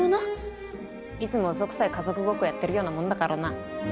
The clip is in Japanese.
いつも嘘くさい家族ごっこやってるようなもんだからな。